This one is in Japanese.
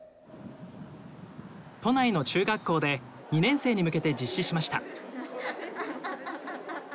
都内の中学校で２年生に向けて実施しました。